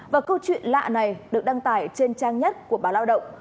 và câu chuyện lạ này được đăng tải trên trang nhất của báo lao động